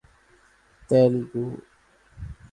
Telugu